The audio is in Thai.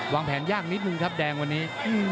วางแผนยากนิดนึงครับแดงวันนี้